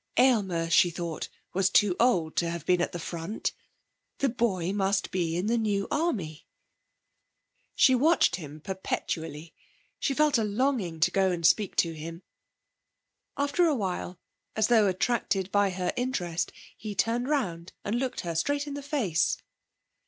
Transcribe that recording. Aylmer, she thought, was too old to have been at the front. The boy must be in the New Army. She watched him perpetually; she felt a longing to go and speak to him. After a while, as though attracted by her interest, he turned round and looked her straight in the face.